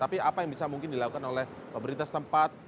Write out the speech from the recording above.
tapi apa yang bisa mungkin dilakukan oleh pemerintah setempat